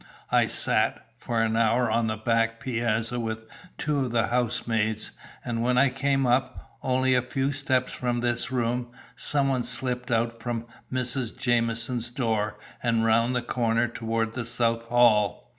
I sat, for an hour, on the back piazza with two of the housemaids, and when I came up, only a few steps from this room, some one slipped out from Mrs. Jamieson's door and round the corner toward the south hall.